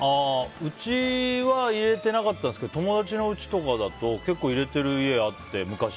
うちは入れてなかったですが友達のうちとかだと結構入れてる家あって、昔。